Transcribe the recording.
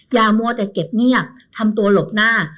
มัวแต่เก็บเงียบทำตัวหลบหน้า